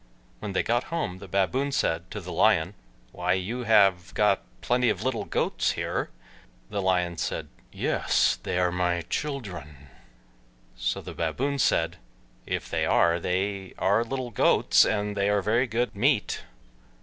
When they got home, the Baboon said to the Lion. "Why, you have got plenty of little goats here." The Lion said, "Yes, they are my children." So the Baboon said, "If they are, they are little goats, and they are very good meat."